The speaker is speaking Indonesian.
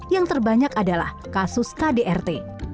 yang terbanyak adalah kasus kdrt